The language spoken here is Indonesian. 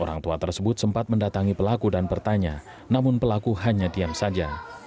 orang tua tersebut sempat mendatangi pelaku dan bertanya namun pelaku hanya diam saja